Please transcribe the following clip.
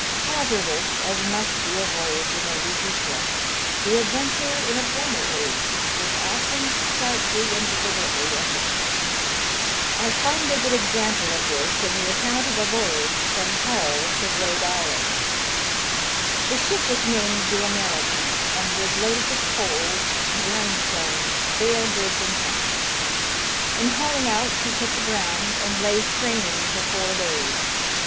Hazardous as must be a voyage in a leaky ship, the adventure, in a former age, was often stoutly and deliberately entered upon. I find a good example of HAZARDOUS VOYAGES, 85 this in the account of a voyage from Hull to Ehode Island. The ship was named the American, and was loaded with coals, grindstones, bale goods, and hemp. In hauling out she took the ground, and lay straining for four days.